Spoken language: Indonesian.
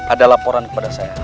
ada laporan kepada saya